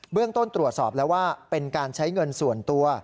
เรื่องต้นตรวจสอบแล้วว่าเป็นการใช้เงินส่วนตัว